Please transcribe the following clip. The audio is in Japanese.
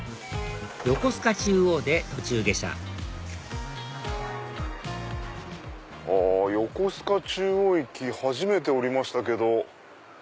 横須賀中央で途中下車横須賀中央駅初めて降りましたけど。